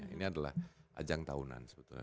ini adalah ajang tahunan sebetulnya